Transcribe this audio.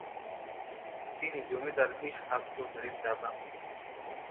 তিনি জমিদার ইসহাক চৌধুরীর দাদা।